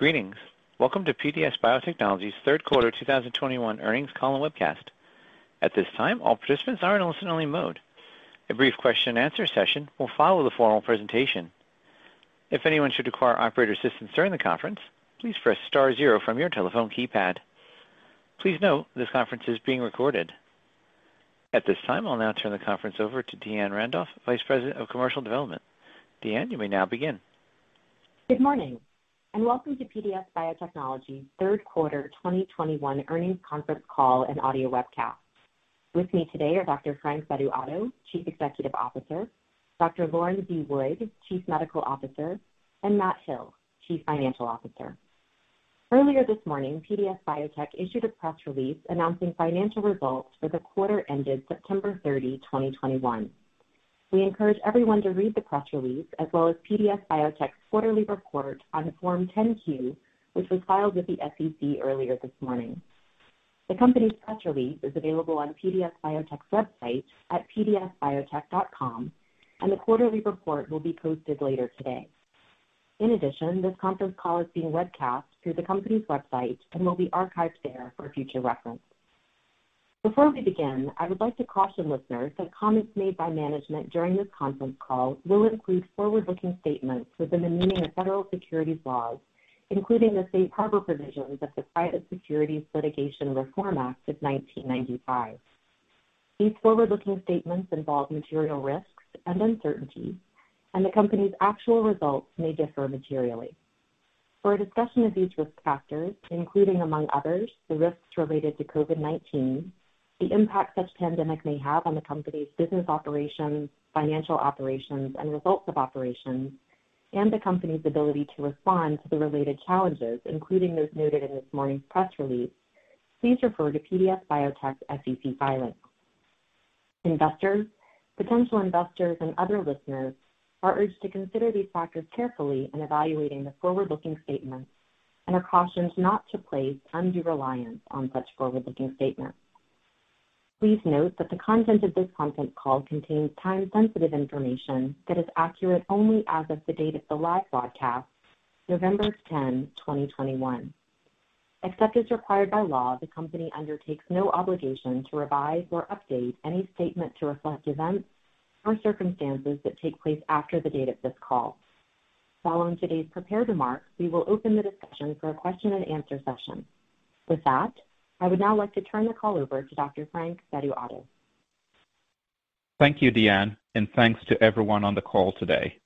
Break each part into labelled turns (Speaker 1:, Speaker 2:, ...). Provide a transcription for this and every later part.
Speaker 1: Greetings. Welcome to PDS Biotechnology's third quarter 2021 earnings call and webcast. At this time, all participants are in listen-only mode. A brief question and answer session will follow the formal presentation. If anyone should require operator assistance during the conference, please press star zero from your telephone keypad. Please note this conference is being recorded. At this time, I'll now turn the conference over to Deanne Randolph, Vice President of Commercial Development. Deanne, you may now begin.
Speaker 2: Good morning, and welcome to PDS Biotechnology third quarter 2021 earnings conference call and audio webcast. With me today are Dr. Frank Bedu-Addo, Chief Executive Officer, Dr. Lauren V. Wood, Chief Medical Officer, and Matt Hill, Chief Financial Officer. Earlier this morning, PDS Biotech issued a press release announcing financial results for the quarter ended September 30, 2021. We encourage everyone to read the press release as well as PDS Biotech's quarterly report on Form 10-Q, which was filed with the SEC earlier this morning. The company's press release is available on PDS Biotech's website at pdsbiotech.com, and the quarterly report will be posted later today. In addition, this conference call is being webcast through the company's website and will be archived there for future reference. Before we begin, I would like to caution listeners that comments made by management during this conference call will include forward-looking statements within the meaning of federal securities laws, including the safe harbor provisions of the Private Securities Litigation Reform Act of 1995. These forward-looking statements involve material risks and uncertainties, and the company's actual results may differ materially. For a discussion of these risk factors, including, among others, the risks related to COVID-19, the impact such pandemic may have on the company's business operations, financial operations and results of operations, and the company's ability to respond to the related challenges, including those noted in this morning's press release, please refer to PDS Biotech's SEC filings. Investors, potential investors and other listeners are urged to consider these factors carefully in evaluating the forward-looking statements and are cautioned not to place undue reliance on such forward-looking statements. Please note that the content of this conference call contains time-sensitive information that is accurate only as of the date of the live broadcast, November 10, 2021. Except as required by law, the company undertakes no obligation to revise or update any statement to reflect events or circumstances that take place after the date of this call. Following today's prepared remarks, we will open the discussion for a question and answer session. With that, I would now like to turn the call over to Dr. Frank Bedu-Addo.
Speaker 3: Thank you, Deanne, and thanks to everyone on the call today.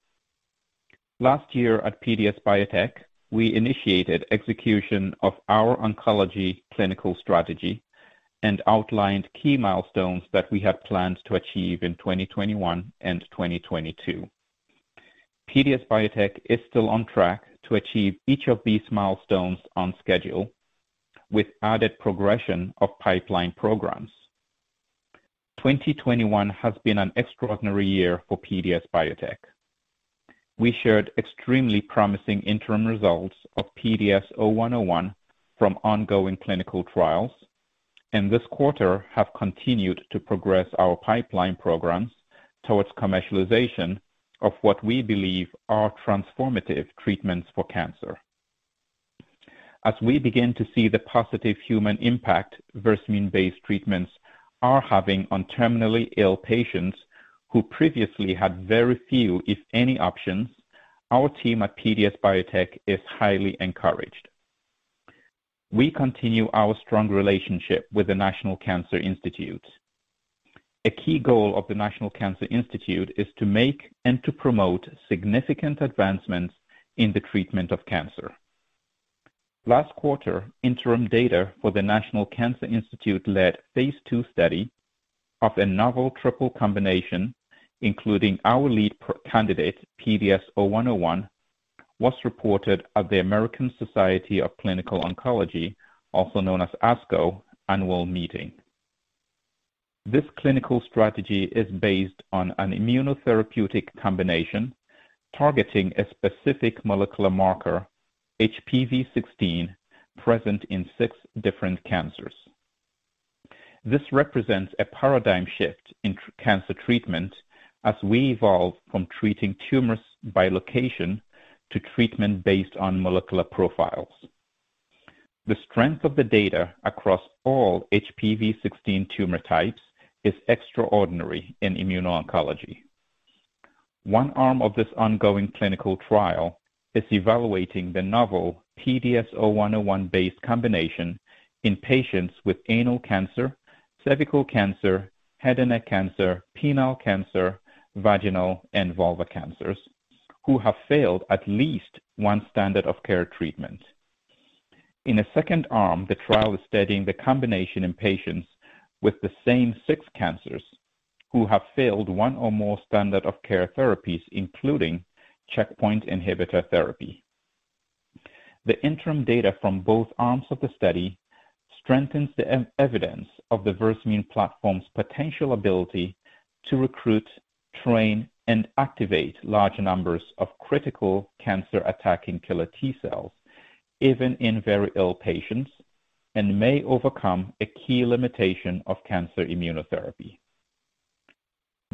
Speaker 3: Last year at PDS Biotech, we initiated execution of our oncology clinical strategy and outlined key milestones that we have planned to achieve in 2021 and 2022. PDS Biotech is still on track to achieve each of these milestones on schedule with added progression of pipeline programs. 2021 has been an extraordinary year for PDS Biotech. We shared extremely promising interim results of PDS0101 from ongoing clinical trials, and this quarter have continued to progress our pipeline programs towards commercialization of what we believe are transformative treatments for cancer. As we begin to see the positive human impact Versamune-based treatments are having on terminally ill patients who previously had very few, if any, options, our team at PDS Biotech is highly encouraged. We continue our strong relationship with the National Cancer Institute. A key goal of the National Cancer Institute is to make and to promote significant advancements in the treatment of cancer. Last quarter, interim data for the National Cancer Institute-led phase II study of a novel triple combination, including our lead candidate, PDS0101, was reported at the American Society of Clinical Oncology, also known as ASCO, annual meeting. This clinical strategy is based on an immunotherapeutic combination targeting a specific molecular marker, HPV-16, present in six different cancers. This represents a paradigm shift in cancer treatment as we evolve from treating tumors by location to treatment based on molecular profiles. The strength of the data across all HPV-16 tumor types is extraordinary in immuno-oncology. One arm of this ongoing clinical trial is evaluating the novel PDS0101-based combination in patients with anal cancer, cervical cancer, head and neck cancer, penile cancer, vaginal and vulva cancers who have failed at least one standard of care treatment. In a second arm, the trial is studying the combination in patients with the same six cancers who have failed one or more standard of care therapies, including checkpoint inhibitor therapy. The interim data from both arms of the study strengthens the evidence of the Versamune platform's potential ability to recruit, train, and activate large numbers of critical cancer-attacking killer T cells, even in very ill patients, and may overcome a key limitation of cancer immunotherapy.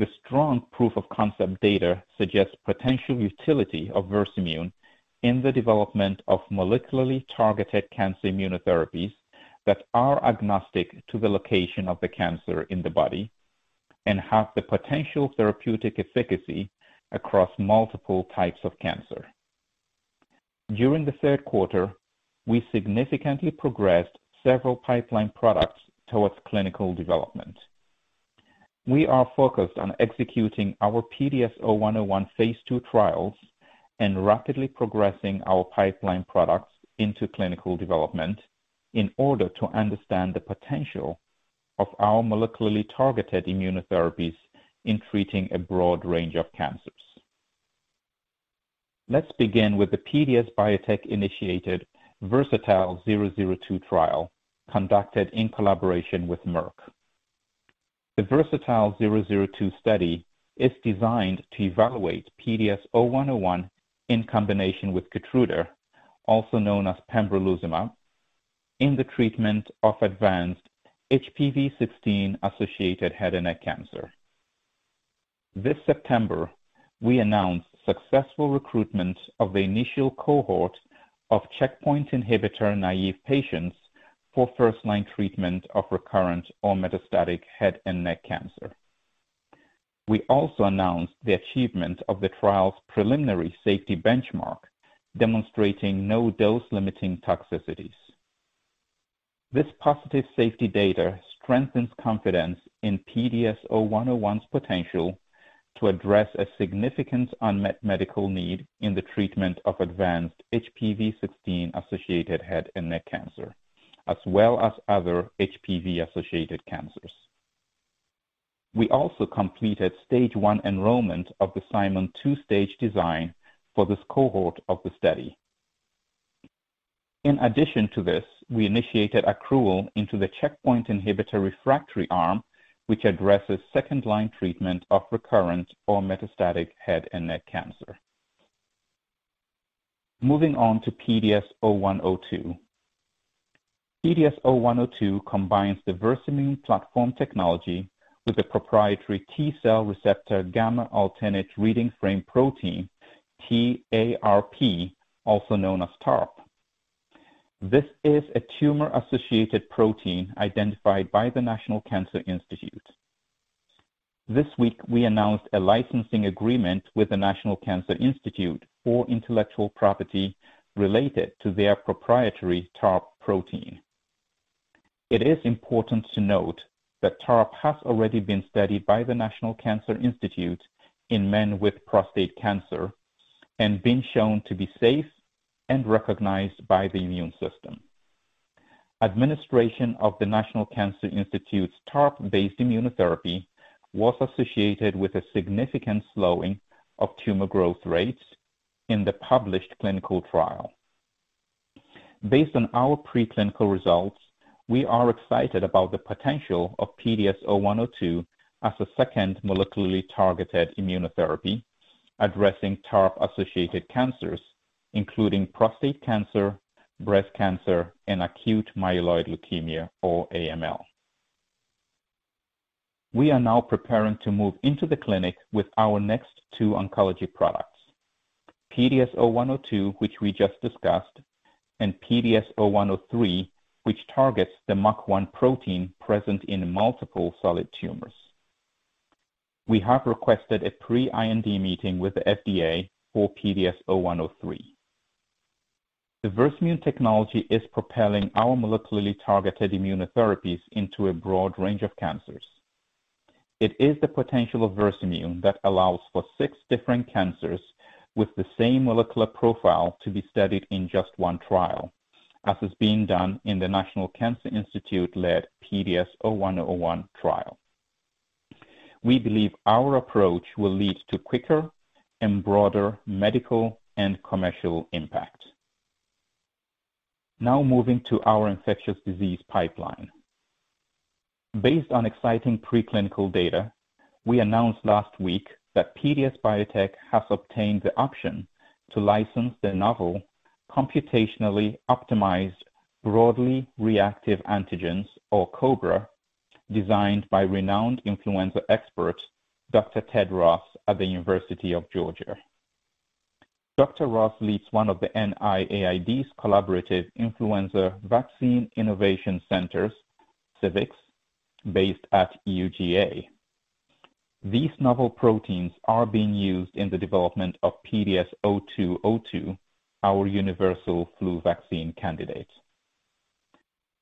Speaker 3: The strong proof of concept data suggests potential utility of Versamune in the development of molecularly targeted cancer immunotherapies that are agnostic to the location of the cancer in the body and have the potential therapeutic efficacy across multiple types of cancer. During the third quarter, we significantly progressed several pipeline products towards clinical development. We are focused on executing our PDS0101 phase II trials and rapidly progressing our pipeline products into clinical development in order to understand the potential of our molecularly targeted immunotherapies in treating a broad range of cancers. Let's begin with the PDS Biotech-initiated VERSATILE-002 trial conducted in collaboration with Merck. The VERSATILE-002 study is designed to evaluate PDS0101 in combination with Keytruda, also known as pembrolizumab, in the treatment of advanced HPV-16-associated head and neck cancer. This September, we announced successful recruitment of the initial cohort of checkpoint inhibitor-naive patients for first-line treatment of recurrent or metastatic head and neck cancer. We also announced the achievement of the trial's preliminary safety benchmark, demonstrating no dose-limiting toxicities. This positive safety data strengthens confidence in PDS0101's potential to address a significant unmet medical need in the treatment of advanced HPV-16-associated head and neck cancer, as well as other HPV-associated cancers. We also completed stage one enrollment of the Simon's two-stage design for this cohort of the study. In addition to this, we initiated accrual into the checkpoint inhibitor refractory arm, which addresses second-line treatment of recurrent or metastatic head and neck cancer. Moving on to PDS0102. PDS0102 combines the Versamune platform technology with a proprietary T cell receptor gamma alternate reading frame protein, T-A-R-P, also known as TARP. This is a tumor-associated protein identified by the National Cancer Institute. This week, we announced a licensing agreement with the National Cancer Institute for intellectual property related to their proprietary TARP protein. It is important to note that TARP has already been studied by the National Cancer Institute in men with prostate cancer and been shown to be safe and recognized by the immune system. Administration of the National Cancer Institute's TARP-based immunotherapy was associated with a significant slowing of tumor growth rates in the published clinical trial. Based on our preclinical results, we are excited about the potential of PDS0102 as a second molecularly targeted immunotherapy addressing TARP-associated cancers, including prostate cancer, breast cancer, and acute myeloid leukemia, or AML. We are now preparing to move into the clinic with our next two oncology products, PDS0102, which we just discussed, and PDS0103, which targets the MUC1 protein present in multiple solid tumors. We have requested a pre-IND meeting with the FDA for PDS0103. The Versamune technology is propelling our molecularly targeted immunotherapies into a broad range of cancers. It is the potential of Versamune that allows for six different cancers with the same molecular profile to be studied in just one trial, as is being done in the National Cancer Institute-led PDS0101 trial. We believe our approach will lead to quicker and broader medical and commercial impact. Now moving to our infectious disease pipeline. Based on exciting preclinical data, we announced last week that PDS Biotech has obtained the option to license the novel computationally optimized broadly reactive antigens, or COBRA, designed by renowned influenza expert Dr. Ted Ross at the University of Georgia. Dr. Ross leads one of the NIAID's collaborative Influenza Vaccine Innovation Centers, CIVICs, based at UGA. These novel proteins are being used in the development of PDS0202, our universal flu vaccine candidate.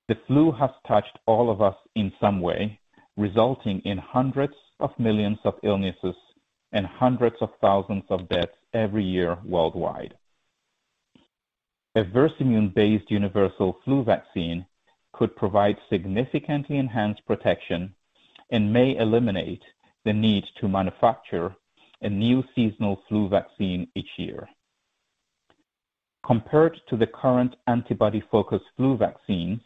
Speaker 3: The flu has touched all of us in some way, resulting in hundreds of millions of illnesses and hundreds of thousands of deaths every year worldwide. A Versamune-based universal flu vaccine could provide significantly enhanced protection and may eliminate the need to manufacture a new seasonal flu vaccine each year. Compared to the current antibody-focused flu vaccine,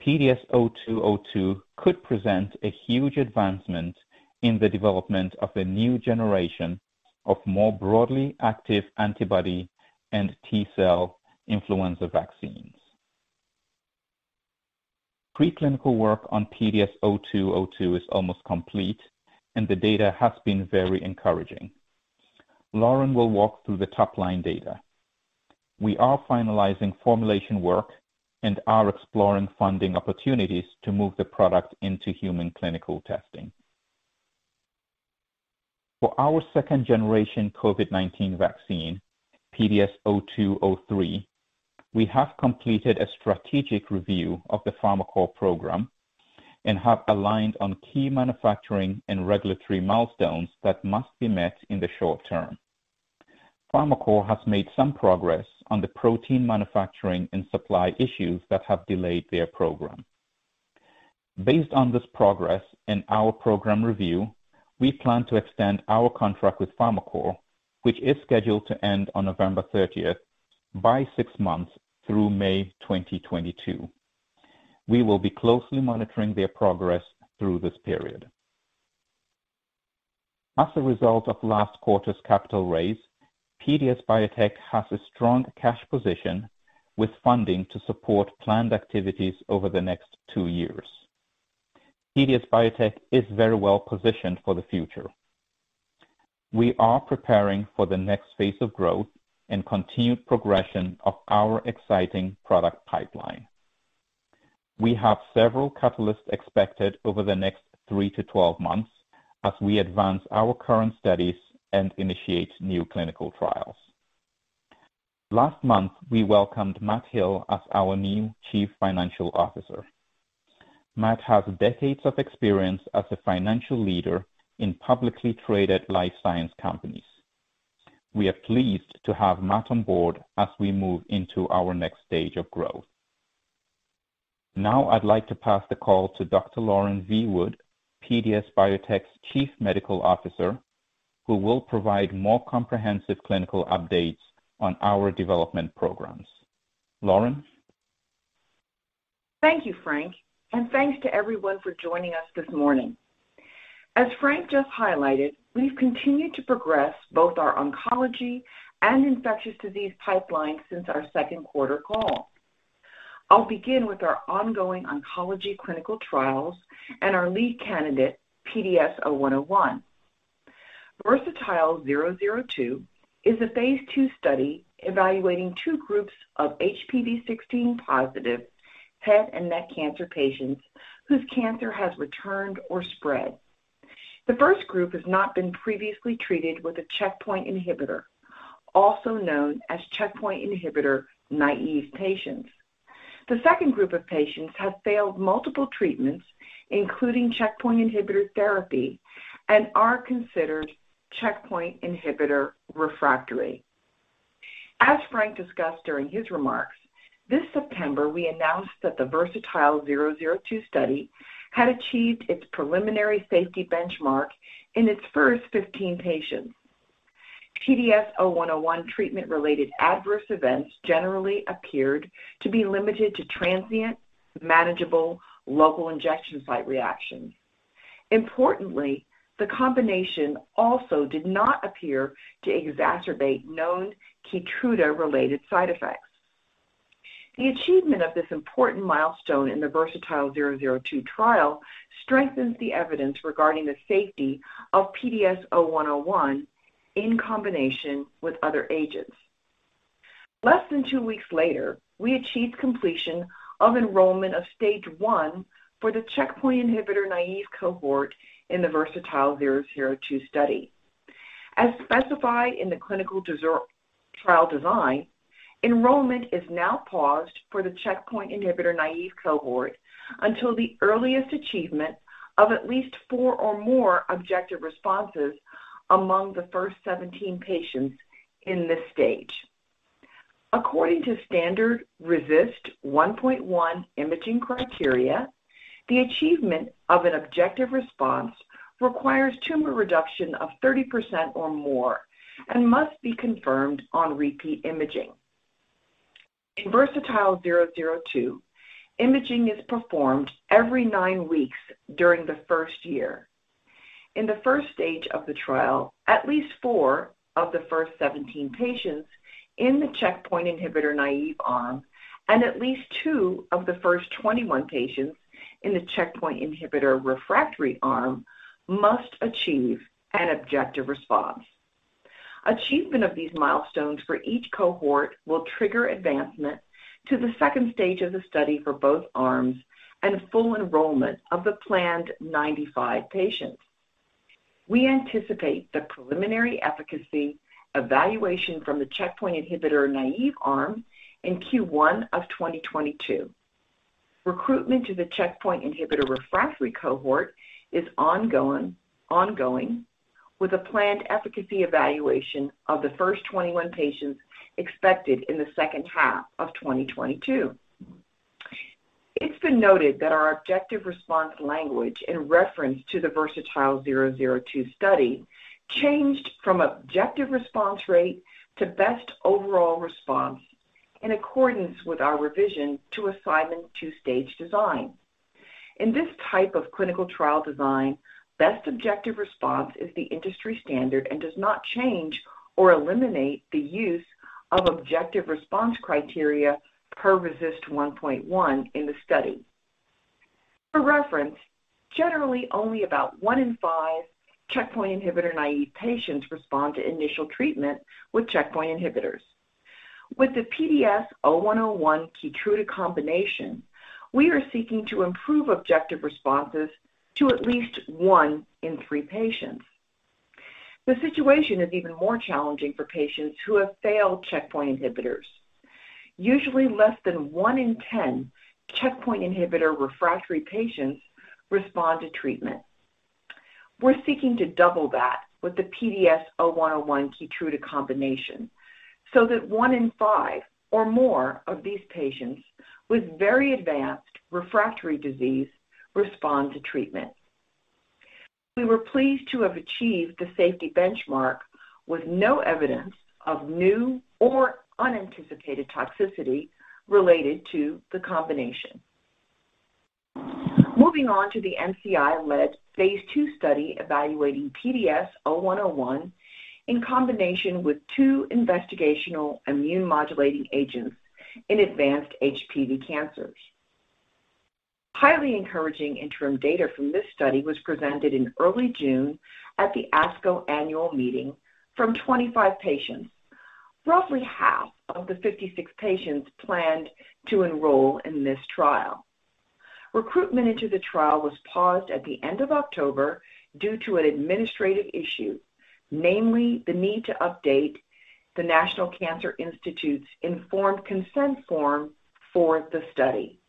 Speaker 3: PDS0202 could present a huge advancement in the development of a new generation of more broadly active antibody and T cell influenza vaccines. Preclinical work on PDS0202 is almost complete, and the data has been very encouraging. Lauren will walk through the top-line data. We are finalizing formulation work and are exploring funding opportunities to move the product into human clinical testing. For our second-generation COVID-19 vaccine, PDS0203, we have completed a strategic review of the Farmacore program and have aligned on key manufacturing and regulatory milestones that must be met in the short term. Farmacore has made some progress on the protein manufacturing and supply issues that have delayed their program. Based on this progress and our program review, we plan to extend our contract with Farmacore, which is scheduled to end on November 30th by 6 months through May 2022. We will be closely monitoring their progress through this period. As a result of last quarter's capital raise, PDS Biotech has a strong cash position with funding to support planned activities over the next two years. PDS Biotech is very well positioned for the future. We are preparing for the next phase of growth and continued progression of our exciting product pipeline. We have several catalysts expected over the next 3-12 months as we advance our current studies and initiate new clinical trials. Last month, we welcomed Matt Hill as our new Chief Financial Officer. Matt has decades of experience as a financial leader in publicly traded life science companies. We are pleased to have Matt on board as we move into our next stage of growth. Now I'd like to pass the call to Dr. Lauren V. Wood, PDS Biotech's Chief Medical Officer, who will provide more comprehensive clinical updates on our development programs. Lauren.
Speaker 4: Thank you, Frank, and thanks to everyone for joining us this morning. As Frank just highlighted, we've continued to progress both our oncology and infectious disease pipeline since our second quarter call. I'll begin with our ongoing oncology clinical trials and our lead candidate, PDS0101. VERSATILE-002 is a phase II study evaluating two groups of HPV-16 positive head and neck cancer patients whose cancer has returned or spread. The first group has not been previously treated with a checkpoint inhibitor, also known as checkpoint inhibitor-naive patients. The second group of patients have failed multiple treatments, including checkpoint inhibitor therapy, and are considered checkpoint inhibitor refractory. As Frank discussed during his remarks, this September, we announced that the VERSATILE-002 study had achieved its preliminary safety benchmark in its first 15 patients. PDS0101 treatment-related adverse events generally appeared to be limited to transient, manageable, local injection site reactions. Importantly, the combination also did not appear to exacerbate known KEYTRUDA-related side effects. The achievement of this important milestone in the VERSATILE-002 trial strengthens the evidence regarding the safety of PDS0101 in combination with other agents. Less than two weeks later, we achieved completion of enrollment of stage one for the checkpoint inhibitor-naive cohort in the VERSATILE-002 study. As specified in the clinical trial design, enrollment is now paused for the checkpoint inhibitor-naive cohort until the earliest achievement of at least four or more objective responses among the first 17 patients in this stage. According to standard RECIST 1.1 imaging criteria, the achievement of an objective response requires tumor reduction of 30% or more and must be confirmed on repeat imaging. In VERSATILE-002, imaging is performed every 9 weeks during the first year. In the first stage of the trial, at least four of the first 17 patients in the checkpoint inhibitor-naive arm and at least two of the first 21 patients in the checkpoint inhibitor refractory arm must achieve an objective response. Achievement of these milestones for each cohort will trigger advancement to the second stage of the study for both arms and full enrollment of the planned 95 patients. We anticipate the preliminary efficacy evaluation from the checkpoint inhibitor-naive arm in Q1 of 2022. Recruitment to the checkpoint inhibitor refractory cohort is ongoing with a planned efficacy evaluation of the first 21 patients expected in the second half of 2022. It's been noted that our objective response language in reference to the VERSATILE-002 study changed from objective response rate to best overall response in accordance with our revision to Simon's two-stage design. In this type of clinical trial design, best objective response is the industry standard and does not change or eliminate the use of objective response criteria per RECIST 1.1 in the study. For reference, generally only about 1 in five checkpoint inhibitor-naïve patients respond to initial treatment with checkpoint inhibitors. With the PDS0101 Keytruda combination, we are seeking to improve objective responses to at least 1 in three patients. The situation is even more challenging for patients who have failed checkpoint inhibitors. Usually less than one in ten checkpoint inhibitor refractory patients respond to treatment. We're seeking to double that with the PDS0101 Keytruda combination so that one in five or more of these patients with very advanced refractory disease respond to treatment. We were pleased to have achieved the safety benchmark with no evidence of new or unanticipated toxicity related to the combination. Moving on to the NCI-led phase II study evaluating PDS0101 in combination with two investigational immune modulating agents in advanced HPV cancers. Highly encouraging interim data from this study was presented in early June at the ASCO annual meeting from 25 patients, roughly half of the 56 patients planned to enroll in this trial. Recruitment into the trial was paused at the end of October due to an administrative issue, namely the need to update the National Cancer Institute's informed consent form for the study.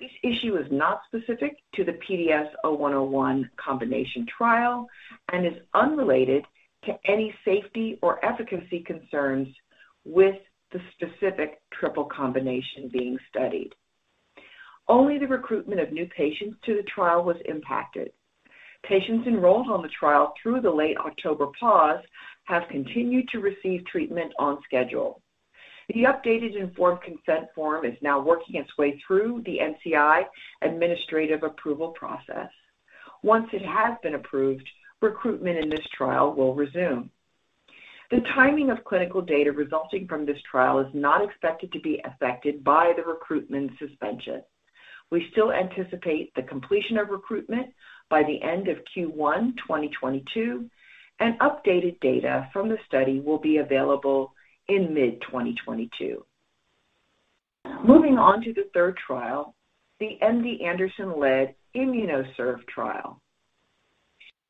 Speaker 4: This issue is not specific to the PDS0101 combination trial and is unrelated to any safety or efficacy concerns with the specific triple combination being studied. Only the recruitment of new patients to the trial was impacted. Patients enrolled on the trial through the late October pause have continued to receive treatment on schedule. The updated informed consent form is now working its way through the NCI administrative approval process. Once it has been approved, recruitment in this trial will resume. The timing of clinical data resulting from this trial is not expected to be affected by the recruitment suspension. We still anticipate the completion of recruitment by the end of Q1 2022, and updated data from the study will be available in mid-2022. Moving on to the third trial, the MD Anderson-led IMMUNOCERV trial.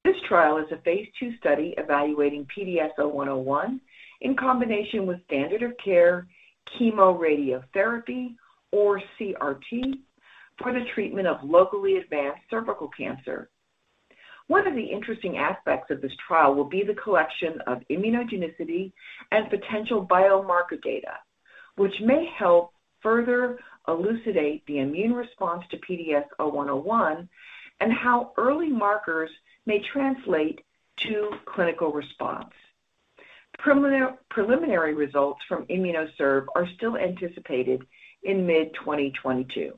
Speaker 4: This trial is a phase II study evaluating PDS0101 in combination with standard of care, chemoradiotherapy, or CRT for the treatment of locally advanced cervical cancer. One of the interesting aspects of this trial will be the collection of immunogenicity and potential biomarker data, which may help further elucidate the immune response to PDS0101 and how early markers may translate to clinical response. Preliminary results from IMMUNOCERV are still anticipated in mid-2022.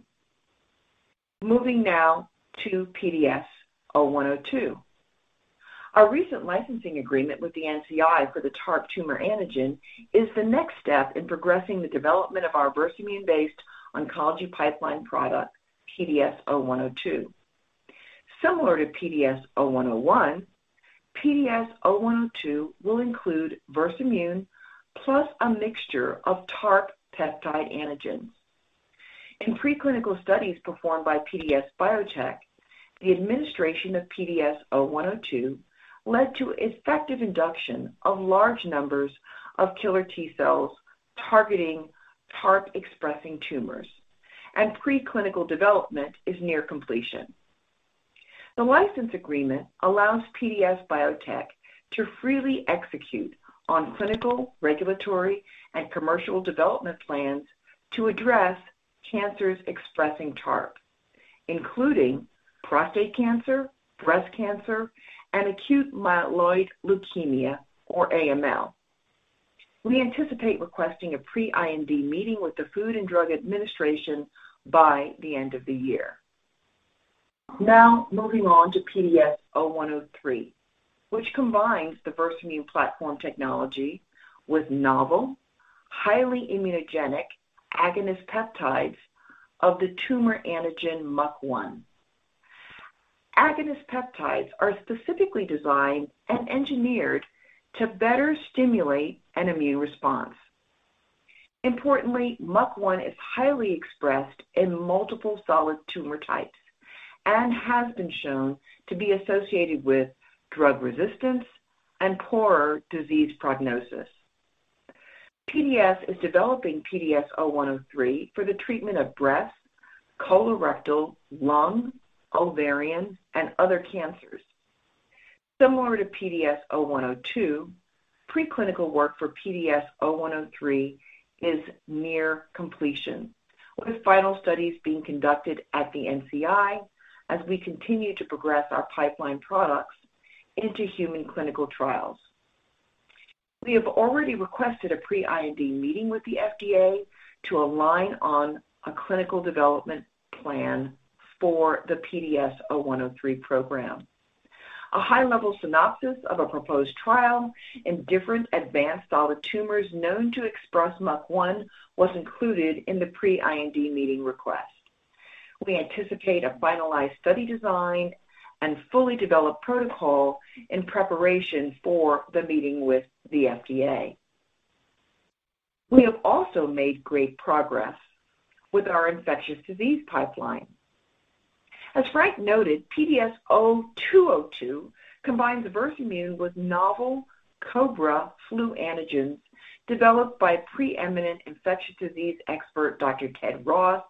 Speaker 4: Moving now to PDS0102. Our recent licensing agreement with the NCI for the TARP tumor antigen is the next step in progressing the development of our Versamune-based oncology pipeline product, PDS0102. Similar to PDS0101, PDS0102 will include Versamune plus a mixture of TARP peptide antigens. In preclinical studies performed by PDS Biotech, the administration of PDS0102 led to effective induction of large numbers of killer T cells targeting TARP-expressing tumors, and preclinical development is near completion. The license agreement allows PDS Biotech to freely execute on clinical, regulatory, and commercial development plans to address cancers expressing TARP, including prostate cancer, breast cancer, and acute myeloid leukemia, or AML. We anticipate requesting a pre-IND meeting with the Food and Drug Administration by the end of the year. Now moving on to PDS0103, which combines the Versamune platform technology with novel, highly immunogenic agonist peptides of the tumor antigen MUC1. Agonist peptides are specifically designed and engineered to better stimulate an immune response. Importantly, MUC1 is highly expressed in multiple solid tumor types and has been shown to be associated with drug resistance and poorer disease prognosis. PDS is developing PDS0103 for the treatment of breast, colorectal, lung, ovarian, and other cancers. Similar to PDS0102, preclinical work for PDS0103 is near completion, with final studies being conducted at the NCI as we continue to progress our pipeline products into human clinical trials. We have already requested a pre-IND meeting with the FDA to align on a clinical development plan for the PDS0103 program. A high-level synopsis of a proposed trial in different advanced solid tumors known to express MUC1 was included in the pre-IND meeting request. We anticipate a finalized study design and fully developed protocol in preparation for the meeting with the FDA. We have also made great progress with our infectious disease pipeline. As Frank noted, PDS0202 combines the Infectimune with novel COBRA flu antigens developed by preeminent infectious disease expert Dr. Ted Ross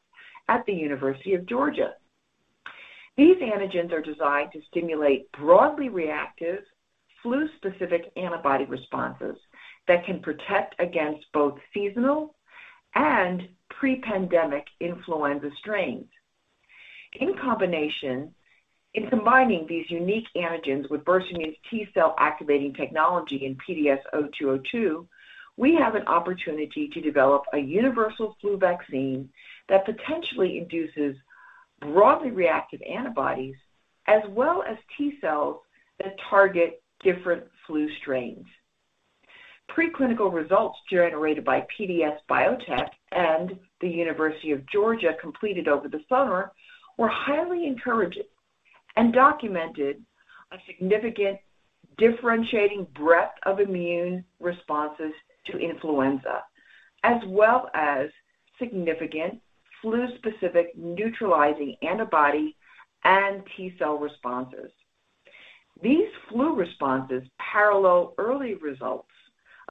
Speaker 4: at the University of Georgia. These antigens are designed to stimulate broadly reactive flu-specific antibody responses that can protect against both seasonal and pre-pandemic influenza strains. In combining these unique antigens with Infectimune's T-cell activating technology in PDS0202, we have an opportunity to develop a universal flu vaccine that potentially induces broadly reactive antibodies as well as T-cells that target different flu strains. Preclinical results generated by PDS Biotech and the University of Georgia completed over the summer were highly encouraging and documented a significant differentiating breadth of immune responses to influenza, as well as significant flu-specific neutralizing antibody and T-cell responses. These flu responses parallel early results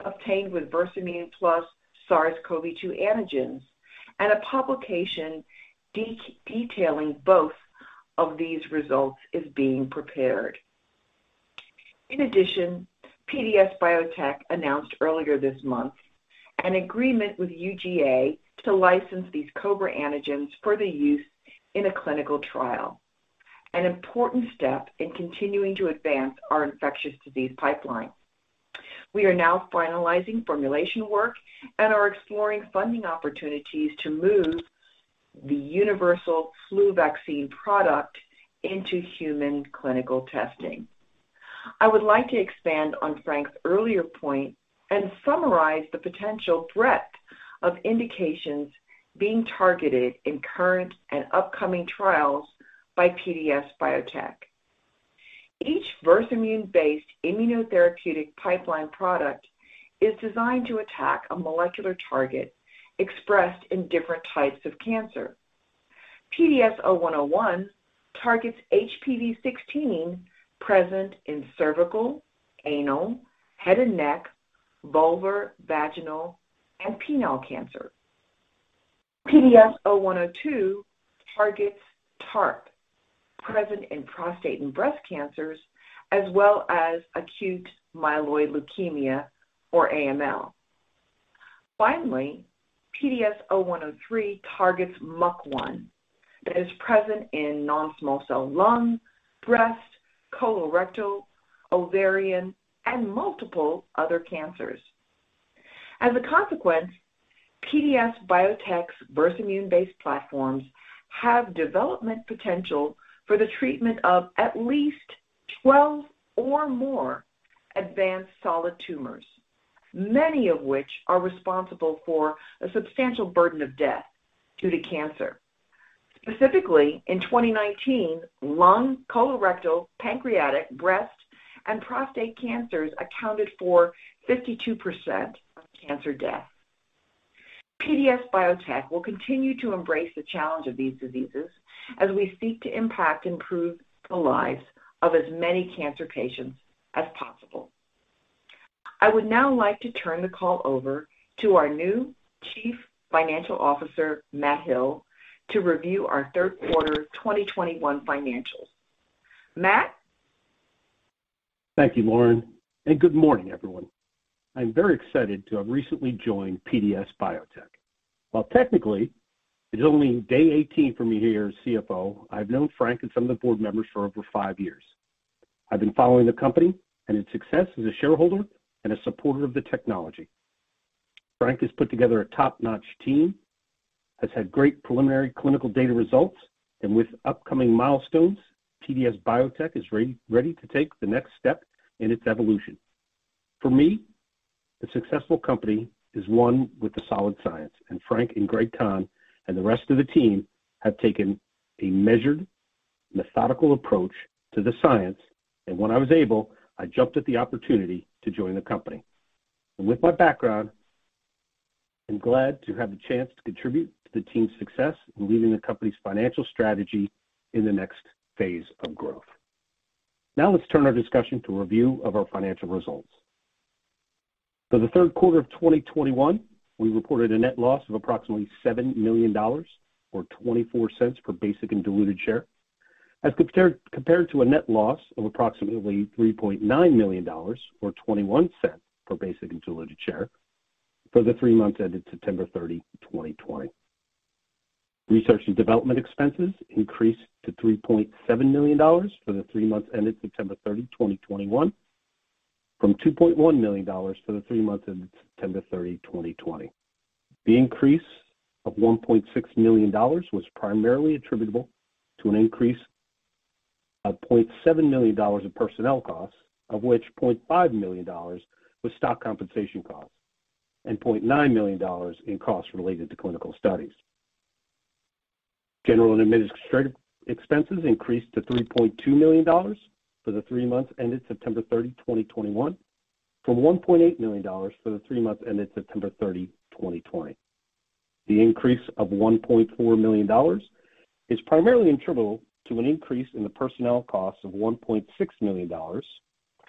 Speaker 4: obtained with Infectimune plus SARS-CoV-2 antigens, and a publication detailing both of these results is being prepared. In addition, PDS Biotech announced earlier this month an agreement with UGA to license these COBRA antigens for the use in a clinical trial, an important step in continuing to advance our infectious disease pipeline. We are now finalizing formulation work and are exploring funding opportunities to move the universal flu vaccine product into human clinical testing. I would like to expand on Frank's earlier point and summarize the potential breadth of indications being targeted in current and upcoming trials by PDS Biotech. Each Infectimune-based immunotherapeutic pipeline product is designed to attack a molecular target expressed in different types of cancer. PDS0101 targets HPV-16 present in cervical, anal, head and neck, vulvar, vaginal, and penile cancer. PDS0102 targets TARP present in prostate and breast cancers, as well as acute myeloid leukemia, or AML. Finally, PDS0103 targets MUC1 that is present in non-small cell lung, breast, colorectal, ovarian, and multiple other cancers. As a consequence, PDS Biotech's Infectimune-based platforms have development potential for the treatment of at least 12 or more advanced solid tumors, many of which are responsible for a substantial burden of death due to cancer. Specifically, in 2019, lung, colorectal, pancreatic, breast, and prostate cancers accounted for 52% of cancer deaths. PDS Biotech will continue to embrace the challenge of these diseases as we seek to impact and improve the lives of as many cancer patients as possible. I would now like to turn the call over to our new Chief Financial Officer, Matt Hill, to review our third quarter 2021 financials. Matt?
Speaker 5: Thank you, Lauren, and good morning, everyone. I'm very excited to have recently joined PDS Biotech. While technically it is only day 18 for me here as CFO, I've known Frank and some of the board members for over five years. I've been following the company and its success as a shareholder and a supporter of the technology. Frank has put together a top-notch team, has had great preliminary clinical data results, and with upcoming milestones, PDS Biotech is ready to take the next step in its evolution. For me, a successful company is one with the solid science, and Frank and Gregory Conn and the rest of the team have taken a measured, methodical approach to the science, and when I was able, I jumped at the opportunity to join the company. With my background, I'm glad to have the chance to contribute to the team's success in leading the company's financial strategy in the next phase of growth. Now let's turn our discussion to a review of our financial results. For the third quarter of 2021, we reported a net loss of approximately $7 million or 24 cents per basic and diluted share. As compared to a net loss of approximately $3.9 million or 21 cents per basic and diluted share for the three months ended September 30, 2020. Research and development expenses increased to $3.7 million for the three months ended September 30, 2021 from $2.1 million for the three months ended September 30, 2020. The increase of $1.6 million was primarily attributable to an increase of $0.7 million in personnel costs, of which $0.5 million was stock compensation costs and $0.9 million in costs related to clinical studies. General and administrative expenses increased to $3.2 million for the three months ended September 30, 2021 from $1.8 million for the three months ended September 30, 2020. The increase of $1.4 million is primarily attributable to an increase in the personnel costs of $1.6 million,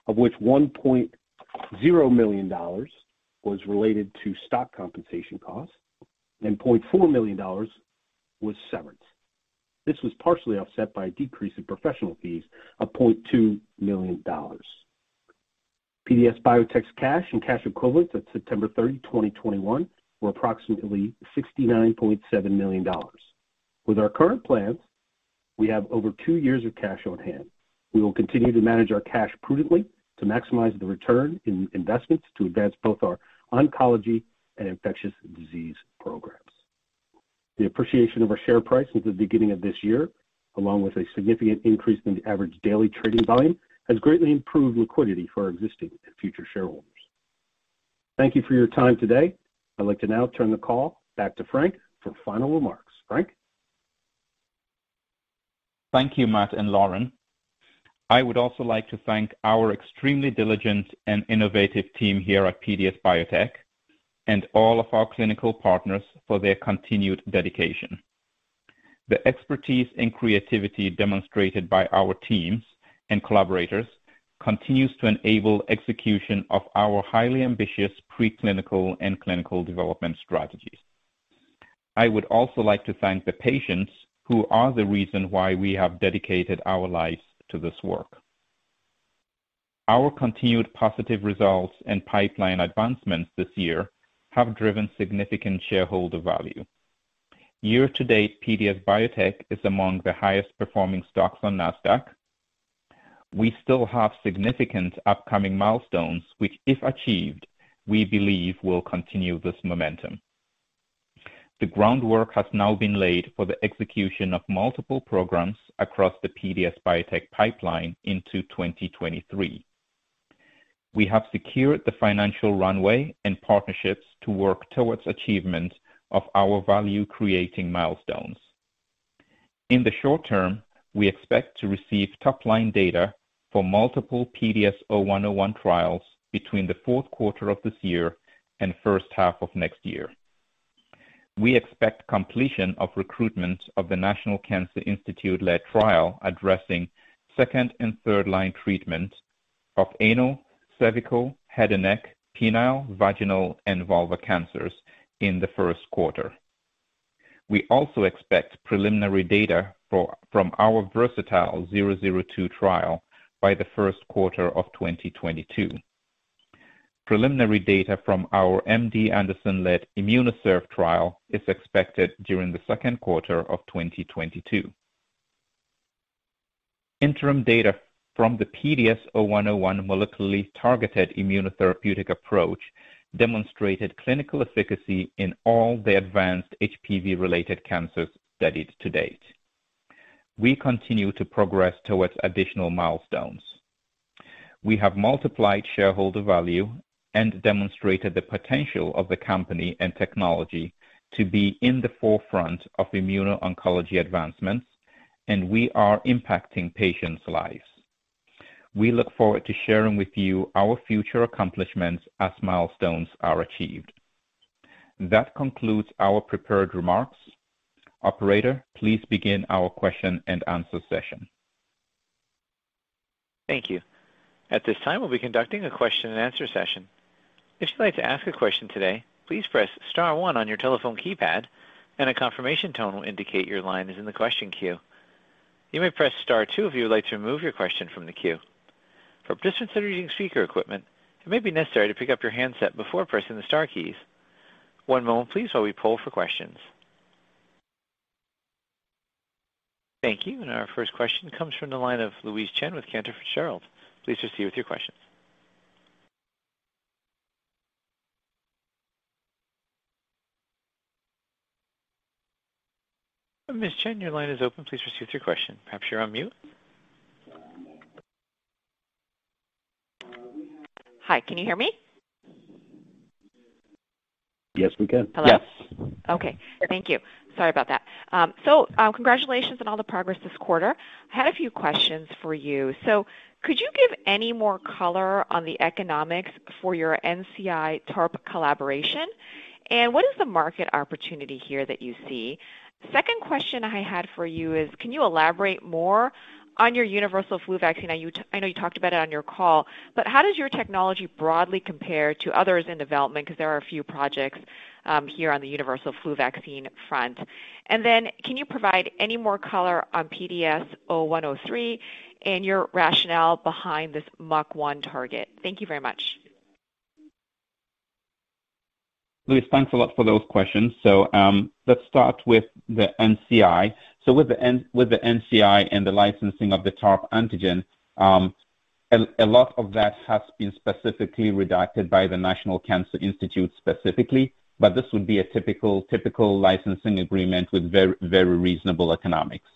Speaker 5: of which $1.0 million was related to stock compensation costs and $0.4 million was severance. This was partially offset by a decrease in professional fees of $0.2 million. PDS Biotech's cash and cash equivalents at September 30, 2021 were approximately $69.7 million. With our current plans, we have over two years of cash on hand. We will continue to manage our cash prudently to maximize the return in investments to advance both our oncology and infectious disease programs. The appreciation of our share price since the beginning of this year, along with a significant increase in the average daily trading volume, has greatly improved liquidity for our existing and future shareholders. Thank you for your time today. I'd like to now turn the call back to Frank for final remarks. Frank?
Speaker 3: Thank you, Matt and Lauren. I would also like to thank our extremely diligent and innovative team here at PDS Biotech and all of our clinical partners for their continued dedication. The expertise and creativity demonstrated by our teams and collaborators continues to enable execution of our highly ambitious pre-clinical and clinical development strategies. I would also like to thank the patients who are the reason why we have dedicated our lives to this work. Our continued positive results and pipeline advancements this year have driven significant shareholder value. Year to date, PDS Biotech is among the highest performing stocks on Nasdaq. We still have significant upcoming milestones, which, if achieved, we believe will continue this momentum. The groundwork has now been laid for the execution of multiple programs across the PDS Biotech pipeline into 2023. We have secured the financial runway and partnerships to work towards achievement of our value-creating milestones. In the short term, we expect to receive top-line data for multiple PDS0101 trials between the fourth quarter of this year and first half of next year. We expect completion of recruitment of the National Cancer Institute led trial addressing second and third line treatment of anal, cervical, head and neck, penile, vaginal, and vulvar cancers in the first quarter. We also expect preliminary data from our VERSATILE-002 trial by the first quarter of 2022. Preliminary data from our MD Anderson led IMMUNOCERV trial is expected during the second quarter of 2022. Interim data from the PDS0101 molecularly targeted immunotherapeutic approach demonstrated clinical efficacy in all the advanced HPV-related cancers studied to date. We continue to progress towards additional milestones. We have multiplied shareholder value and demonstrated the potential of the company and technology to be in the forefront of immuno-oncology advancements, and we are impacting patients' lives. We look forward to sharing with you our future accomplishments as milestones are achieved. That concludes our prepared remarks. Operator, please begin our question and answer session.
Speaker 1: Thank you. At this time, we'll be conducting a question and answer session. If you'd like to ask a question today, please press star one on your telephone keypad and a confirmation tone will indicate your line is in the question queue. You may press star two if you would like to remove your question from the queue. For participants that are using speaker equipment, it may be necessary to pick up your handset before pressing the star keys. One moment please while we poll for questions. Thank you. Our first question comes from the line of Louise Chen with Cantor Fitzgerald. Please proceed with your questions. Ms. Chen, your line is open. Please proceed with your question. Perhaps you're on mute.
Speaker 6: Hi, can you hear me?
Speaker 5: Yes, we can.
Speaker 1: Yes.
Speaker 6: Hello. Okay, thank you. Sorry about that. Congratulations on all the progress this quarter. I had a few questions for you. Could you give any more color on the economics for your NCI TARP collaboration? And what is the market opportunity here that you see? Second question I had for you is, can you elaborate more on your universal flu vaccine? I know you talked about it on your call, but how does your technology broadly compare to others in development? Because there are a few projects here on the universal flu vaccine front. Then can you provide any more color on PDS0103 and your rationale behind this MUC1 target? Thank you very much.
Speaker 3: Louise, thanks a lot for those questions. Let's start with the NCI. With the NCI and the licensing of the TARP antigen, a lot of that has been specifically redacted by the National Cancer Institute specifically. This would be a typical licensing agreement with very reasonable economics.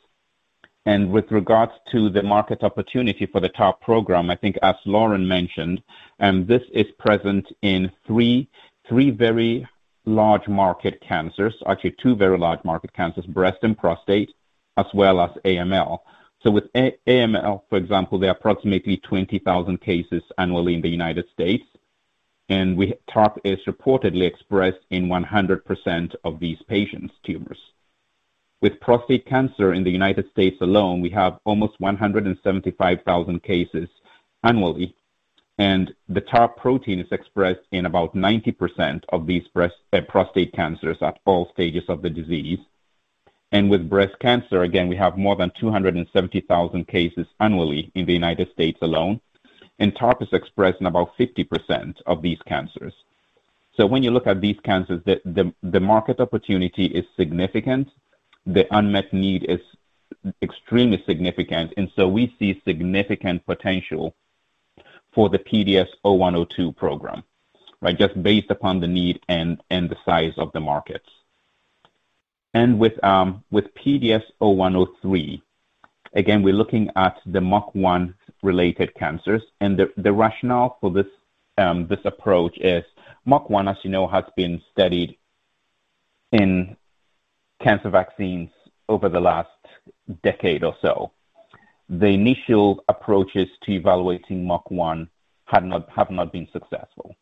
Speaker 3: With regards to the market opportunity for the TARP program, I think as Lauren mentioned, this is present in three very large market cancers, actually two very large market cancers, breast and prostate, as well as AML. With AML, for example, there are approximately 20,000 cases annually in the United States, and TARP is reportedly expressed in 100% of these patients' tumors. With prostate cancer in the United States alone, we have almost 175,000 cases annually, and the TARP protein is expressed in about 90% of these prostate cancers at all stages of the disease. With breast cancer, again, we have more than 270,000 cases annually in the United States alone, and TARP is expressed in about 50% of these cancers. When you look at these cancers, the market opportunity is significant, the unmet need is extremely significant, and we see significant potential for the PDS0102 program, right? Just based upon the need and the size of the markets. With PDS0103, again, we're looking at the MUC1-related cancers. The rationale for this approach is MUC1, as you know, has been studied in cancer vaccines over the last decade or so. The initial approaches to evaluating MUC1 have not been successful.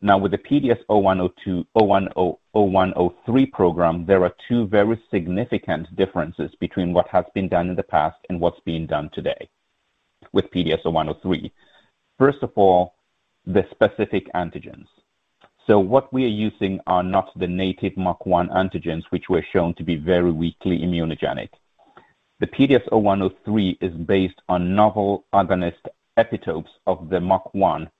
Speaker 3: Now, with the PDS0103 program, there are two very significant differences between what has been done in the past and what's being done today with PDS0103. First of all, the specific antigens we are using are not the native MUC1 antigens, which were shown to be very weakly immunogenic. The PDS0103 is based on novel agonist epitopes of the MUC1,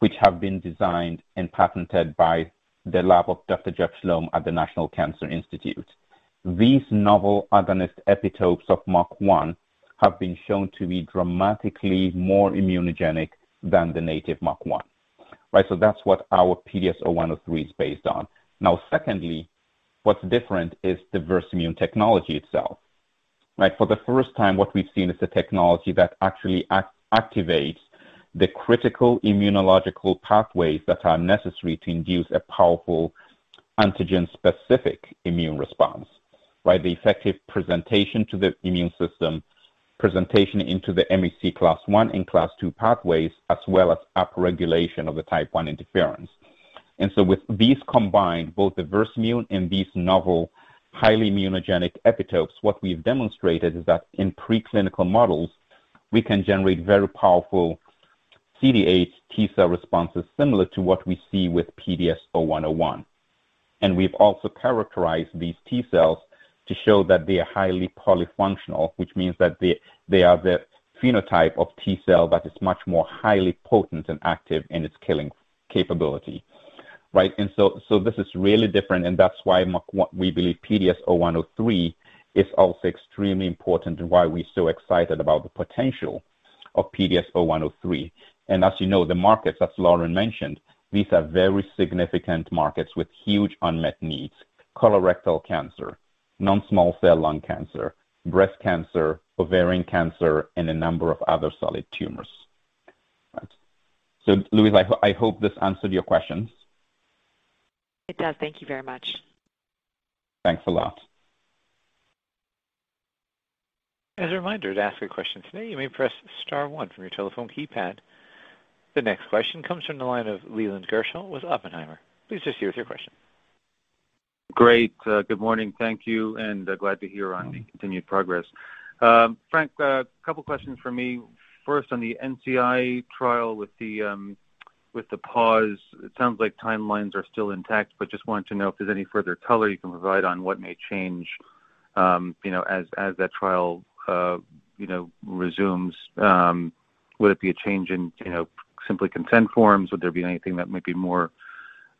Speaker 3: which have been designed and patented by the lab of Dr. Jeff Schlom at the National Cancer Institute. These novel agonist epitopes of MUC1 have been shown to be dramatically more immunogenic than the native MUC1, right? That's what our PDS0103 is based on. Now, secondly, what's different is the Versamune technology itself, right? For the first time, what we've seen is the technology that actually activates the critical immunological pathways that are necessary to induce a powerful antigen-specific immune response, right? The effective presentation to the immune system, presentation into the MHC class I and class II pathways, as well as upregulation of the type I interferon. With these combined, both the Versamune and these novel highly immunogenic epitopes, what we've demonstrated is that in preclinical models, we can generate very powerful CD8+ T cell responses similar to what we see with PDS0101. We've also characterized these T cells to show that they are highly polyfunctional, which means that they are the phenotype of T cell that is much more highly potent and active in its killing capability, right? This is really different, and that's why we believe PDS0103 is also extremely important and why we're so excited about the potential of PDS0103. As you know, the markets, as Lauren mentioned, these are very significant markets with huge unmet needs, colorectal cancer, non-small cell lung cancer, breast cancer, ovarian cancer, and a number of other solid tumors, right? Louise, I hope this answered your questions.
Speaker 6: It does. Thank you very much.
Speaker 3: Thanks a lot.
Speaker 1: The next question comes from the line of Leland Gershell with Oppenheimer. Please go ahead with your question.
Speaker 7: Great. Good morning. Thank you, and glad to hear on the continued progress. Frank, a couple questions for me. First, on the NCI trial with the pause, it sounds like timelines are still intact, but just wanted to know if there's any further color you can provide on what may change, you know, as that trial resumes. Would it be a change in, you know, simply consent forms? Would there be anything that might be more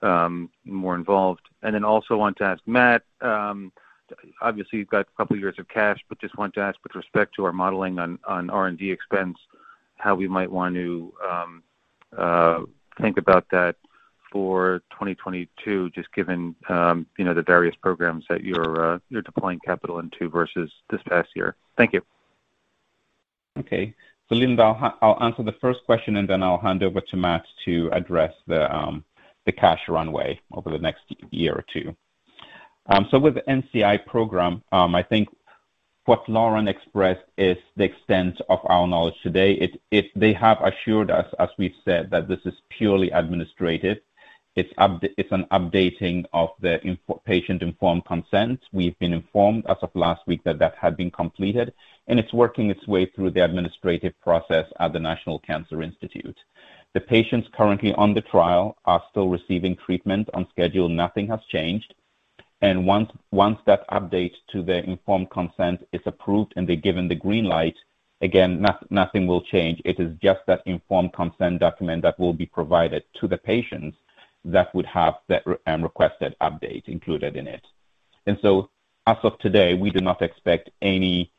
Speaker 7: involved? Also want to ask Matt, obviously you've got a couple of years of cash, but just want to ask with respect to our modeling on R&D expense, how we might want to think about that for 2022, just given you know, the various programs that you're deploying capital into versus this past year. Thank you.
Speaker 3: Leland, I'll answer the first question and then I'll hand over to Matt to address the cash runway over the next year or two. With the NCI program, I think what Lauren expressed is the extent of our knowledge today. They have assured us, as we've said, that this is purely administrative. It's an updating of the patient informed consent. We've been informed as of last week that that had been completed, and it's working its way through the administrative process at the National Cancer Institute. The patients currently on the trial are still receiving treatment on schedule. Nothing has changed. Once that update to the informed consent is approved and they're given the green light, again, nothing will change. It is just that informed consent document that will be provided to the patients that would have that requested update included in it. As of today, we do not expect any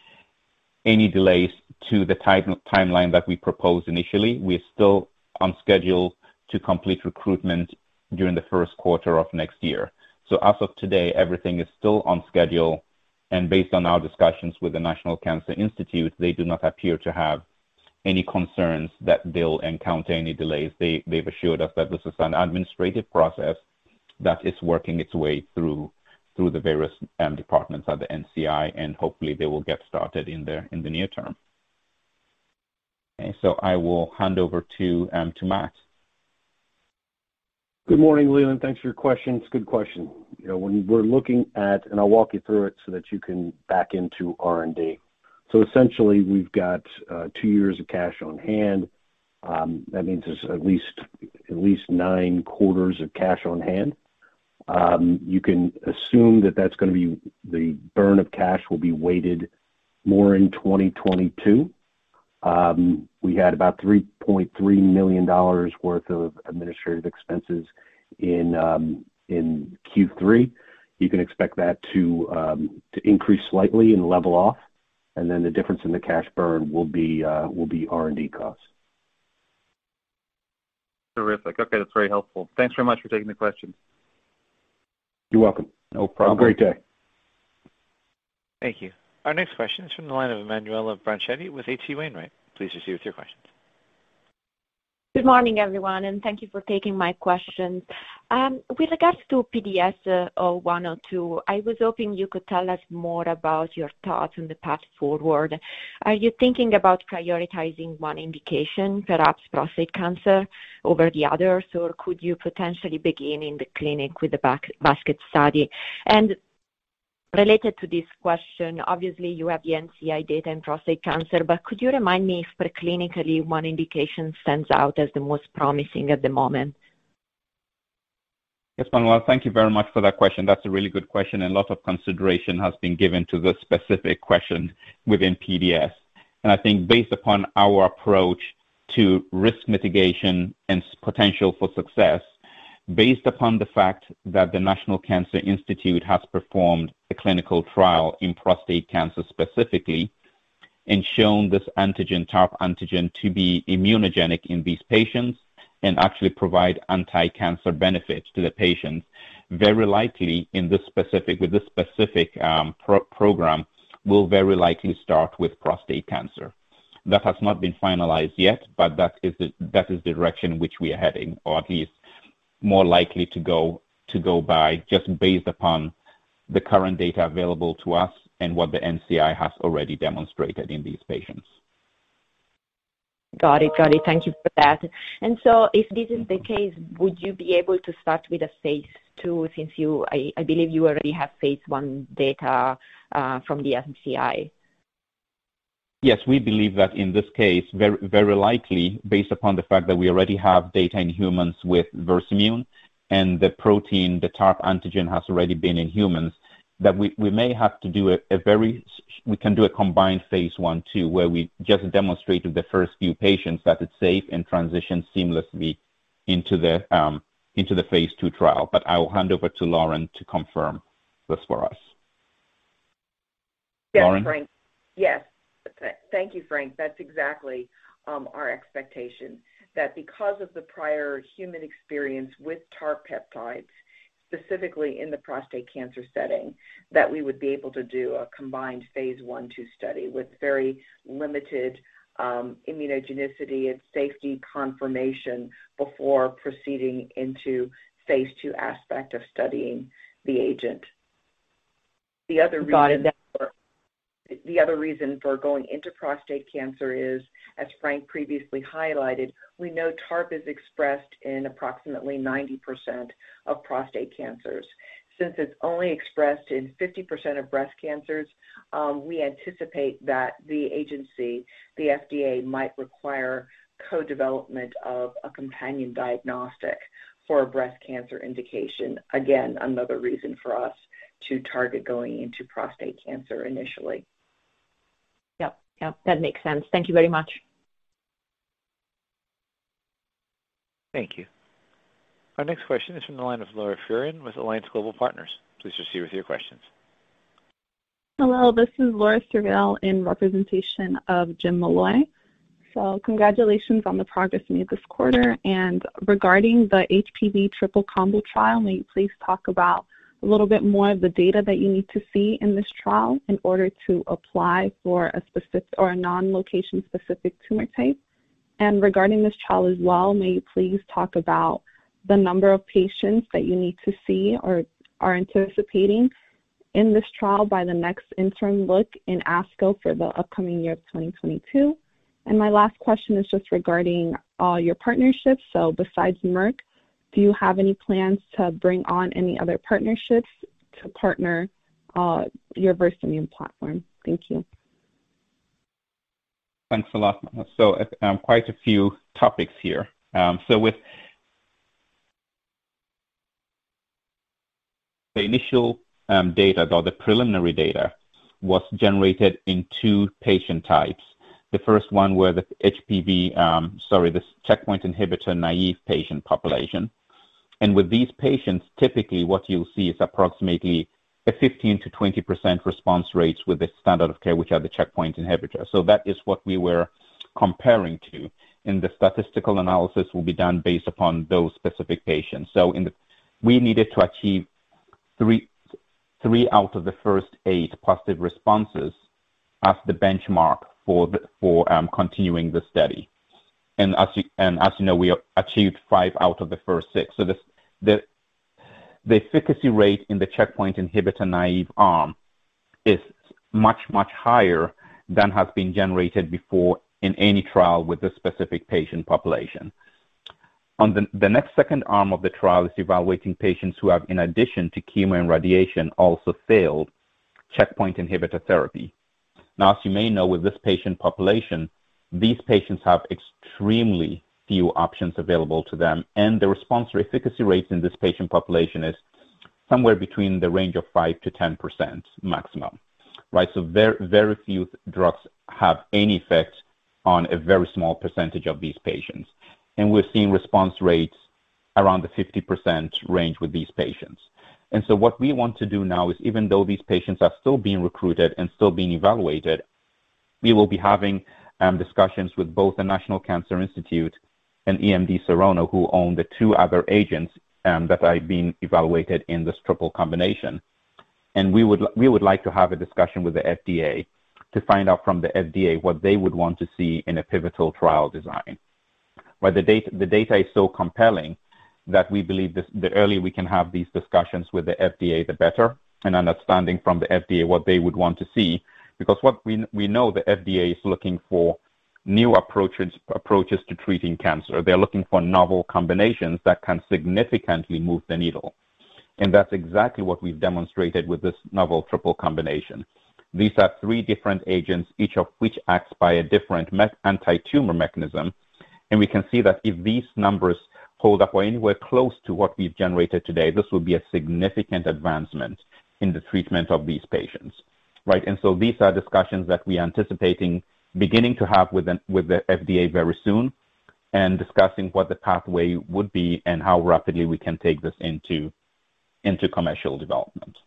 Speaker 3: delays to the timeline that we proposed initially. We're still on schedule to complete recruitment during the first quarter of next year. As of today, everything is still on schedule, and based on our discussions with the National Cancer Institute, they do not appear to have any concerns that they'll encounter any delays. They've assured us that this is an administrative process that is working its way through the various departments at the NCI, and hopefully they will get started in the near term. Okay. I will hand over to Matt.
Speaker 5: Good morning, Leland. Thanks for your questions. Good question. You know, when we're looking at. I'll walk you through it so that you can back into R&D. Essentially, we've got two years of cash on hand, that means there's at least nine quarters of cash on hand. You can assume that that's gonna be the burn of cash will be weighted more in 2022. We had about $3.3 million worth of administrative expenses in Q3. You can expect that to increase slightly and level off, and then the difference in the cash burn will be R&D costs.
Speaker 7: Terrific. Okay. That's very helpful. Thanks very much for taking the question.
Speaker 5: You're welcome.
Speaker 3: No problem.
Speaker 5: Have a great day.
Speaker 1: Thank you. Our next question is from the line of Emanuela Branchetti with H.C. Wainwright. Please proceed with your questions.
Speaker 8: Good morning, everyone, and thank you for taking my question. With regards to PDS-0102, I was hoping you could tell us more about your thoughts on the path forward. Are you thinking about prioritizing one indication, perhaps prostate cancer, over the others, or could you potentially begin in the clinic with a basket study? Related to this question, obviously you have the NCI data in prostate cancer, but could you remind me if pre-clinically one indication stands out as the most promising at the moment?
Speaker 3: Yes, Emanuela, thank you very much for that question. That's a really good question, and a lot of consideration has been given to this specific question within PDS. I think based upon our approach to risk mitigation and potential for success, based upon the fact that the National Cancer Institute has performed a clinical trial in prostate cancer specifically and shown this antigen, TARP antigen, to be immunogenic in these patients and actually provide anti-cancer benefits to the patients, very likely with this specific program, we'll very likely start with prostate cancer. That has not been finalized yet, but that is the direction which we are heading, or at least more likely to go by just based upon the current data available to us and what the NCI has already demonstrated in these patients.
Speaker 8: Got it. Thank you for that. If this is the case, would you be able to start with a phase II, since I believe you already have phase I data from the NCI?
Speaker 3: Yes, we believe that in this case, very likely, based upon the fact that we already have data in humans with Versamune and the protein, the TARP antigen, has already been in humans, that we may have to do a combined phase I/II, where we just demonstrated the first few patients that it's safe and transition seamlessly into the phase II trial. I will hand over to Lauren to confirm this for us.
Speaker 4: Yes, Frank.
Speaker 3: Lauren?
Speaker 4: Yes. Thank you, Frank. That's exactly our expectation that because of the prior human experience with TARP peptides, specifically in the prostate cancer setting, that we would be able to do a combined phase I/II study with very limited immunogenicity and safety confirmation before proceeding into phase II aspect of studying the agent. The other reason.
Speaker 8: Got it.
Speaker 4: The other reason for going into prostate cancer is, as Frank previously highlighted, we know TARP is expressed in approximately 90% of prostate cancers. Since it's only expressed in 50% of breast cancers, we anticipate that the agency, the FDA, might require co-development of a companion diagnostic for a breast cancer indication. Again, another reason for us to target going into prostate cancer initially.
Speaker 8: Yep. Yep. That makes sense. Thank you very much.
Speaker 1: Thank you. Our next question is from the line of Laura Foydel with Alliance Global Partners. Please proceed with your questions.
Speaker 9: Hello, this is Laura Foydel in representation of James Molloy. Congratulations on the progress made this quarter. Regarding the HPV triple combo trial, may you please talk about a little bit more of the data that you need to see in this trial in order to apply for a specific or a non-location-specific tumor type? Regarding this trial as well, may you please talk about the number of patients that you need to see or are anticipating in this trial by the next interim look in ASCO for the upcoming year of 2022? My last question is just regarding all your partnerships. Besides Merck, do you have any plans to bring on any other partnerships to partner your Versamune platform? Thank you.
Speaker 3: Thanks a lot. Quite a few topics here. With the initial data or the preliminary data was generated in two patient types. The first one were the HPV checkpoint inhibitor naive patient population. With these patients, typically what you'll see is approximately 15%-20% response rates with the standard of care, which are the checkpoint inhibitor. That is what we were comparing to, and the statistical analysis will be done based upon those specific patients. We needed to achieve three out of the first eight positive responses as the benchmark for continuing the study. As you know, we achieved five out of the first six. This, the efficacy rate in the checkpoint inhibitor-naive arm is much, much higher than has been generated before in any trial with a specific patient population. On the next second arm of the trial is evaluating patients who have, in addition to chemo and radiation, also failed checkpoint inhibitor therapy. Now, as you may know, with this patient population, these patients have extremely few options available to them, and the response or efficacy rates in this patient population is somewhere between the range of 5%-10% maximum, right? Very, very few drugs have any effect on a very small percentage of these patients. We're seeing response rates around the 50% range with these patients. What we want to do now is, even though these patients are still being recruited and still being evaluated, we will be having discussions with both the National Cancer Institute and EMD Serono, who own the two other agents that are being evaluated in this triple combination. We would like to have a discussion with the FDA to find out from the FDA what they would want to see in a pivotal trial design. The data is so compelling that we believe this, the earlier we can have these discussions with the FDA, the better and understanding from the FDA what they would want to see. What we know the FDA is looking for new approaches to treating cancer. They're looking for novel combinations that can significantly move the needle. That's exactly what we've demonstrated with this novel triple combination. These are three different agents, each of which acts by a different antitumor mechanism. We can see that if these numbers hold up or anywhere close to what we've generated today, this will be a significant advancement in the treatment of these patients, right? These are discussions that we are anticipating beginning to have with the FDA very soon and discussing what the pathway would be and how rapidly we can take this into commercial development.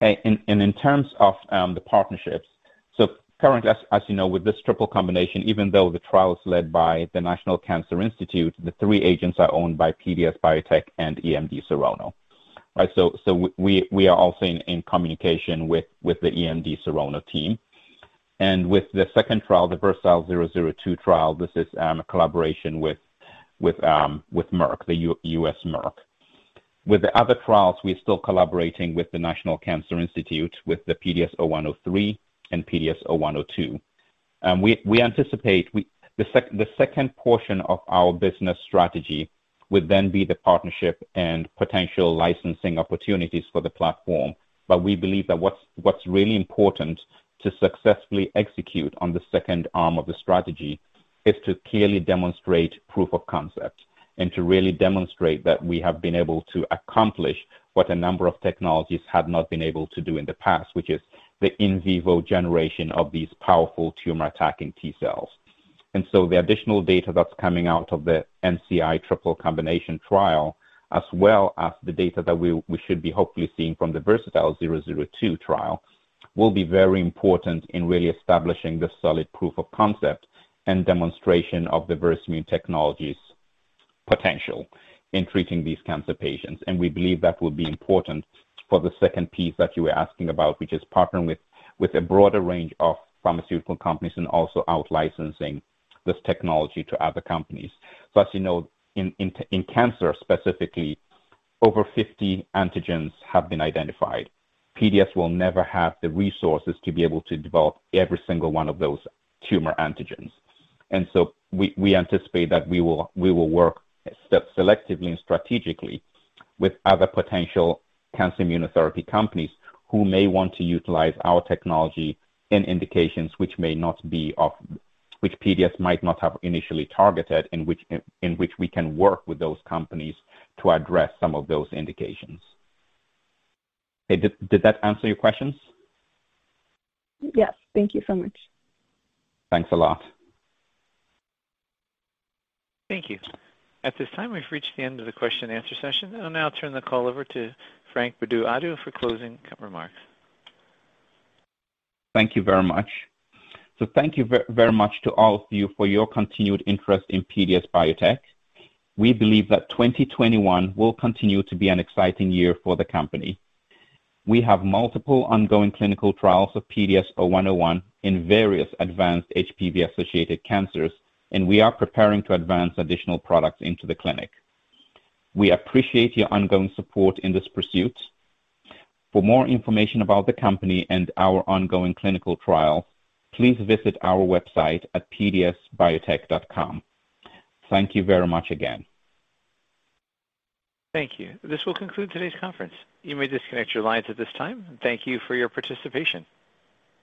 Speaker 3: In terms of the partnerships, currently, as you know, with this triple combination, even though the trial is led by the National Cancer Institute, the three agents are owned by PDS Biotech and EMD Serono, right? We are also in communication with the EMD Serono team and with the second trial, the VERSATILE-002 trial. This is a collaboration with Merck, the U.S. Merck. With the other trials, we're still collaborating with the National Cancer Institute, with the PDS0103 and PDS0102. We anticipate the second portion of our business strategy would then be the partnership and potential licensing opportunities for the platform. We believe that what's really important to successfully execute on the second arm of the strategy is to clearly demonstrate proof of concept and to really demonstrate that we have been able to accomplish what a number of technologies have not been able to do in the past, which is the in vivo generation of these powerful tumor-attacking T cells. The additional data that's coming out of the NCI triple combination trial, as well as the data that we should be hopefully seeing from the VERSATILE-002 trial, will be very important in really establishing the solid proof of concept and demonstration of the Versamune technology's potential in treating these cancer patients. We believe that will be important for the second piece that you were asking about, which is partnering with a broader range of pharmaceutical companies and also out licensing this technology to other companies. As you know, in cancer specifically, over 50 antigens have been identified. PDS will never have the resources to be able to develop every single one of those tumor antigens. We anticipate that we will work selectively and strategically with other potential cancer immunotherapy companies who may want to utilize our technology in indications which PDS might not have initially targeted, in which we can work with those companies to address some of those indications. Did that answer your questions?
Speaker 9: Yes. Thank you so much.
Speaker 3: Thanks a lot.
Speaker 1: Thank you. At this time, we've reached the end of the question and answer session. I'll now turn the call over to Frank Bedu-Addo for closing remarks.
Speaker 3: Thank you very much. Thank you very much to all of you for your continued interest in PDS Biotech. We believe that 2021 will continue to be an exciting year for the company. We have multiple ongoing clinical trials of PDS0101 in various advanced HPV-associated cancers, and we are preparing to advance additional products into the clinic. We appreciate your ongoing support in this pursuit. For more information about the company and our ongoing clinical trial, please visit our website at pdsbiotech.com. Thank you very much again.
Speaker 1: Thank you. This will conclude today's conference. You may disconnect your lines at this time. Thank you for your participation.